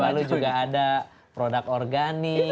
lalu juga ada produk organik